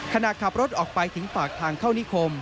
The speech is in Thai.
ขณะขับรถออกไปถึงปากทางเข้านิคม